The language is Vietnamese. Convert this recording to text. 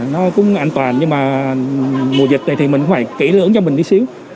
nó cũng an toàn nhưng mà mùa dịch này thì mình cũng phải kỹ lưỡng cho mình đi xíu